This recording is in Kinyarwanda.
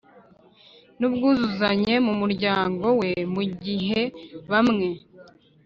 n’ubwuzuzanye mu muryango we, mu gihe bamwe